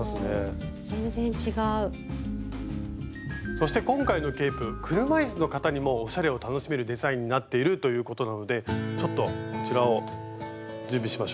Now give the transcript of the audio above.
そして今回のケープ車いすの方にもおしゃれを楽しめるデザインになっているということなのでちょっとこちらを準備しましょう。